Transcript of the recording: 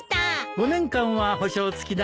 ５年間は保証付きだよ。